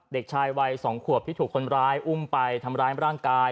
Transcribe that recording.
เด็กชายวัย๒ขวบที่ถูกคนร้ายอุ้มไปทำร้ายร่างกาย